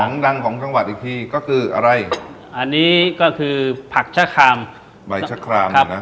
ของดังของจังหวัดอีกทีก็คืออะไรอันนี้ก็คือผักชะครามใบชะครามนะ